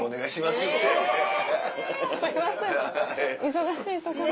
すいません忙しいところ。